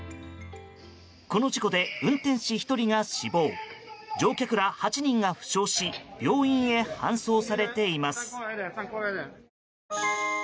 この事故で運転士１人が死亡乗客ら８人が負傷し病院へ搬送されています。